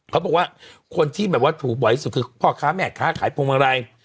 เขาบอกว่าคนที่แบบว่าถูกบ่อยที่สุดคือพ่อค้าแม่ค้าขายพวงมาลัย